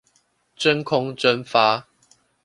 真空蒸發